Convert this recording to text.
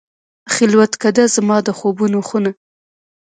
خلوتکده، زما د خوبونو خونه